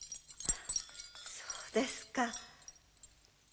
そうですか。